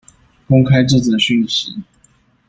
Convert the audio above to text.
公開這則訊息